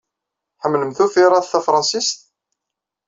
Tḥemmlem tufiṛat tafṛansit?